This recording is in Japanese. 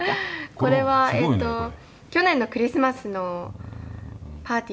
「これはえっと去年のクリスマスのパーティーの時ですね」